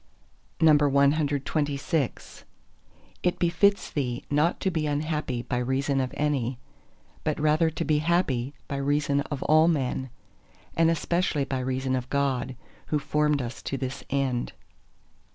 CXXVII It befits thee not to be unhappy by reason of any, but rather to be happy by reason of all men, and especially by reason of God, who formed us to this end.